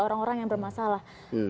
orang orang yang bermasalah